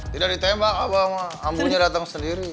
tidak ditembak abang ambunya datang sendiri